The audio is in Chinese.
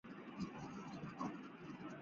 以下为定期举行的活动